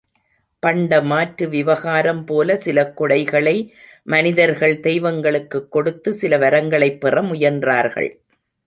பண்டமாற்று விவகாரம் போல சில கொடைகளை மனிதர்கள் தெய்வங்களுக்குக் கொடுத்து, சில வரங்களைப் பெற முயன்றார்கள்.